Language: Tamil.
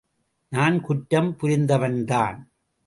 நான் குற்றம் புரிந்தவன்தான்.